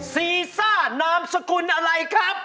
ซีซ่านามสกุลอะไรครับ